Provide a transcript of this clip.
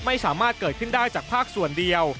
ไม่สามารถเกิดขึ้นได้จากภาคส่วนเดียว